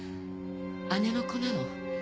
姉の子なの。